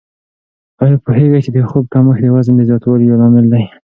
آیا پوهېږئ چې د خوب کمښت د وزن د زیاتوالي یو لامل دی؟